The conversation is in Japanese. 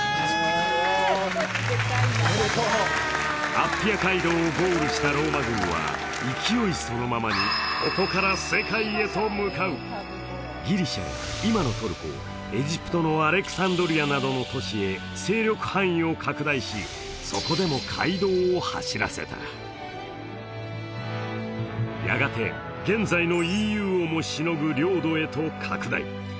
アッピア街道をゴールしたローマ軍は勢いそのままにここから世界へと向かうギリシャや今のトルコエジプトのアレクサンドリアなどの都市へ勢力範囲を拡大しそこでも街道を走らせたやがて変貌を遂げたのだ